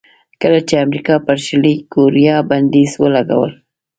کله چې امریکا پر شلي کوریا بندیزونه ولګول.